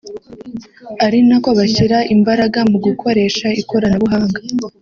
ari nako bashyira imbaraga mu gukoresha ikoranabuhanga